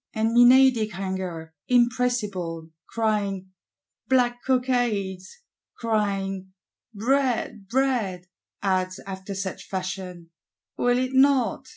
And Menadic Hunger, impressible, crying 'Black Cockades,' crying 'Bread, Bread,' adds, after such fashion: 'Will it not?